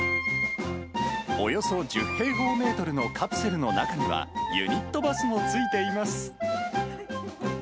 およそ１０平方メートルのカプセルの中には、ユニットバスも付いています。